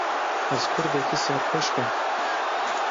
Ez kurdekî serhişk im.